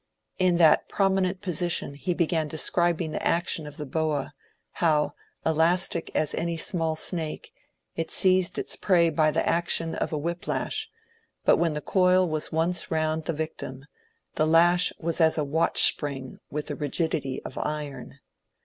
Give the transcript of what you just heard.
In that prominent position he began describing the action of the boa ; how, elastic as any small snake, it seized its prey by the action of a whip lash; but when the coil was once around the victim, the lash was as a watch spring with the rigidity of iron.